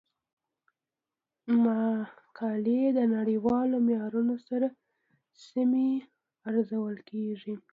مقالې د نړیوالو معیارونو سره سمې ارزول کیږي.